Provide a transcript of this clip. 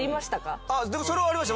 それはありました。